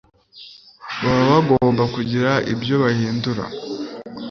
baba bagomba kugira ibyo bahindura